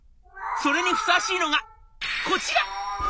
それにふさわしいのがこちら。